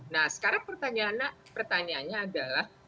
nah sekarang pertanyaannya adalah